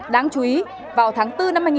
đáng chú ý vào tháng bốn năm hai nghìn một mươi bảy